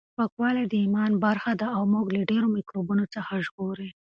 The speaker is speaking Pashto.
پاکوالی د ایمان برخه ده او موږ له ډېرو میکروبونو څخه ژغوري.